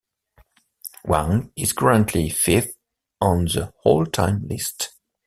Wang is currently fifth on the all-time list.